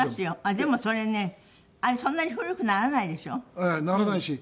でもそれねあれそんなに古くならないでしょ？ならないし。